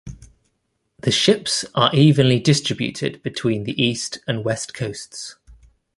The ships are evenly distributed between the east and west coasts.